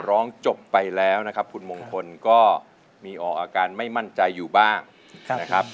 ร้องจบไปแล้วนะครับคุณมงคลก็มีออกอาการไม่มั่นใจอยู่บ้างนะครับ